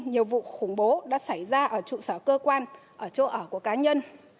nhiều vụ khủng bố đã xảy ra ở trụ sở cơ quan ở chỗ ở của cá nhân